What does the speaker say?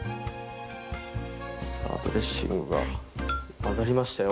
さあドレッシングが混ざりましたよ